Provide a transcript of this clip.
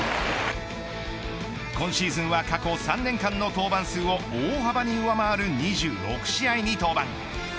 今シーズンは過去３年間の登板数を大幅に上回る２６試合に登板。